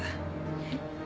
えっ？